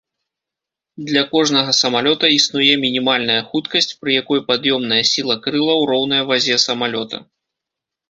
Для кожнага самалёта існуе мінімальная хуткасць, пры якой пад'ёмная сіла крылаў роўная вазе самалёта.